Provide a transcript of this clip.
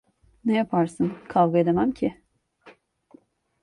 Ne yaparsın? Kavga edemem ki…